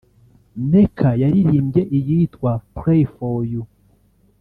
Nneka yaririmbye iyitwa "Pray For You"